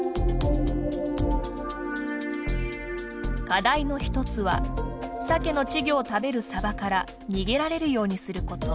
課題の一つはサケの稚魚を食べるサバから逃げられるようにすること。